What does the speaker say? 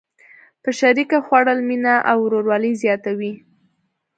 په شریکه خوړل مینه او ورورولي زیاتوي.